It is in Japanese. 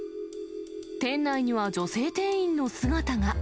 店内には女性店員の姿が。